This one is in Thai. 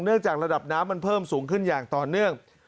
จากระดับน้ำมันเพิ่มสูงขึ้นอย่างต่อเนื่อง